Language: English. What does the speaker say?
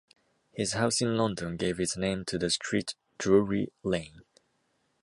His house in London gave its name to the street Drury Lane.